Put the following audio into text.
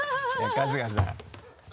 春日さん。